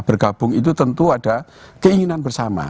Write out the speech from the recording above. bergabung itu tentu ada keinginan bersama